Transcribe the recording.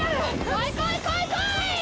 来い来い来い来いー！